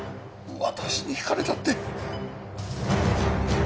私に聞かれたって！